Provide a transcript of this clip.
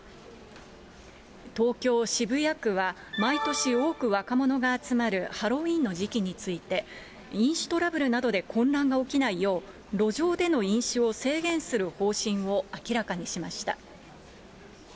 東京・渋谷区は毎年多く若者が集まるハロウィーンの時期について、飲酒トラブルなどで混乱が起きないよう、路上での飲酒を制限する方針を明らかにしました。